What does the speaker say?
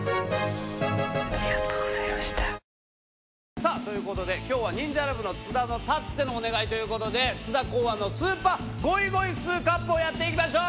さあということで今日はニンジャラ部の津田のたってのお願いということで津田考案のスーパーゴイゴイスーカップをやっていきましょう。